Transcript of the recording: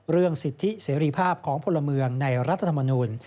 เรื่องสิทธิเสรีภาพของพลเมืองในรัฐธรรมนูล